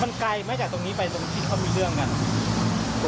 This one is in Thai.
มันไกลไหมจากตรงนี้ไปตรงที่เขามีเรื่องกัน